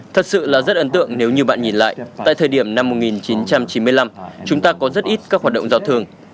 thật sự là rất ấn tượng nếu như bạn nhìn lại tại thời điểm năm một nghìn chín trăm chín mươi năm chúng ta có rất ít các hoạt động giao thương